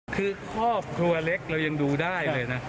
คือครอบครัวเล็กเรายังดูได้เลยนะ